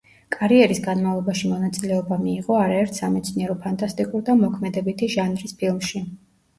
კარიერის განმავლობაში მონაწილეობა მიიღო არაერთ სამეცნიერო ფანტასტიკურ და მოქმედებითი ჟანრის ფილმში.